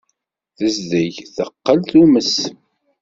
Tezdeg teqqel tumes.